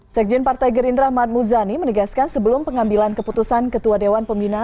sekjen partai gerindra matmuzani menegaskan sebelum pengambilan keputusan ketua dewan pembina